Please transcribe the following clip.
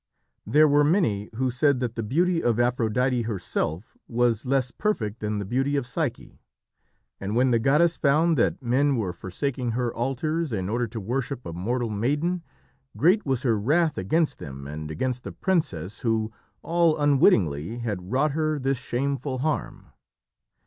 There were many who said that the beauty of Aphrodite herself was less perfect than the beauty of Psyche, and when the goddess found that men were forsaking her altars in order to worship a mortal maiden, great was her wrath against them and against the princess who, all unwittingly, had wrought her this shameful harm.